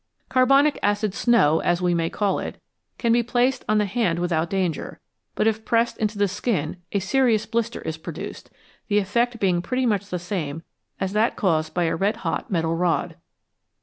" Carbonic acid snow," as we may call it, can be placed on the hand without danger, but if pressed into the skin a serious blister is produced, the effect being pretty much the same as that caused by a red hot metal rod.